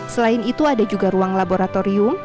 selain itu ada juga ruang laboratorium